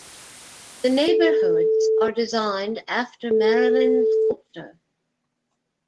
The Neighborhoods are designed after Maryland's culture.